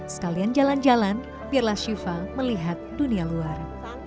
sekalian jalan jalan biarlah syifa melihat dunia luar